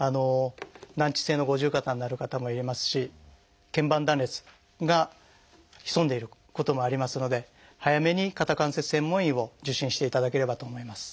難治性の五十肩になる方もいますし腱板断裂が潜んでいることもありますので早めに肩関節専門医を受診していただければと思います。